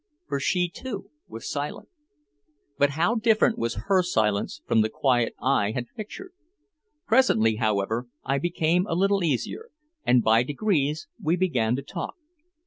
For she, too, was silent. But how different was her silence from the quiet I had pictured. Presently, however, I became a little easier, and by degrees we began to talk.